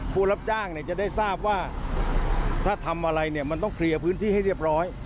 ผู้รับจ้างเนี่ยจะได้ทราบว่าถ้าทำอะไรเนี่ยมันต้องเคลียร์พื้นที่ให้เรียบร้อย